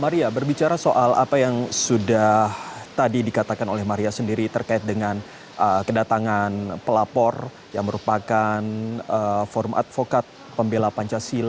maria berbicara soal apa yang sudah tadi dikatakan oleh maria sendiri terkait dengan kedatangan pelapor yang merupakan forum advokat pembela pancasila